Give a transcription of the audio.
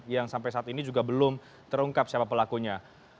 yang sampai saat ini juga belum terungkap siapa pelakunya